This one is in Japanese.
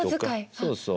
そうそう。